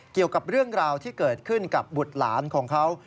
เกี่ยวกับเรื่องราวที่เกิดขึ้นกับบุตรหลานของเขา